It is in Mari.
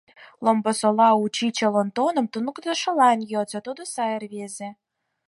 Ломбосола учичыл Онтоным туныктышылан йодса, тудо сай рвезе.